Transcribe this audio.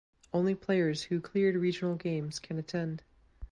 Only players who cleared regional games can attend.